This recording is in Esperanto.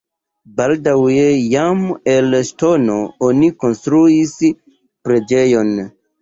Baldaŭe jam el ŝtono oni konstruis preĝejon.